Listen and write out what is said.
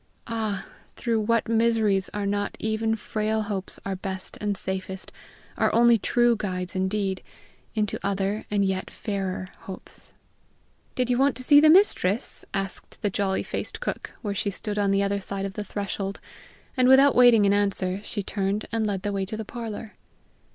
Ah, through what miseries are not even frail hopes our best and safest, our only true guides indeed, into other and yet fairer hopes! "Did you want to see the mistress?" asked the jolly faced cook, where she stood on the other side of the threshold; and, without waiting an answer, she turned and led the way to the parlor.